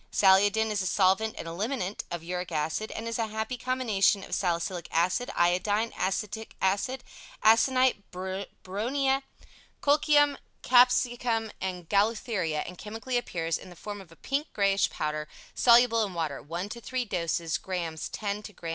"Saliodin" is a solvent and eliminant of uric acid and is a happy combination of Salicylic Acid, Iodine, Acetic Acid, Aconite, Bryonia, Colchicum, Capsicum and Gaultheria and chemically appears in the form of a pink greyish powder soluble in water 1 to 3 dose grs. X to grs.